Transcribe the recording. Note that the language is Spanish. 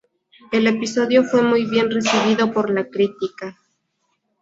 El episodio fue muy bien recibido por la crítica.